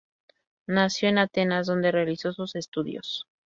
Nació en Atenas, donde realizó sus estudios.